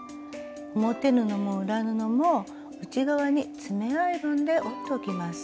表布も裏布も内側に爪アイロンで折っておきます。